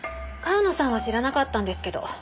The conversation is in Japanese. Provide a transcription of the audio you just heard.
川野さんは知らなかったんですけど。